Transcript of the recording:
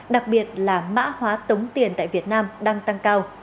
đặc biệt là mã hóa tống tiền tại việt nam đang tăng cao